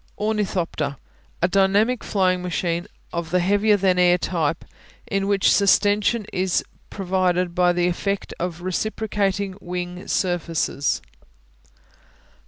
Ornithopter A dynamic flying machine of the heavier than air type, in which sustension is provided by the effect of reciprocating wing surfaces.